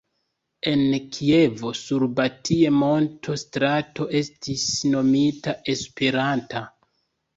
En Kievo, sur Batij-monto strato estis nomita Esperanta.